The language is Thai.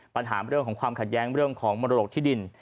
ปัญหาเรื่องของความขัดแย้งเรื่องของมรดกที่ดิน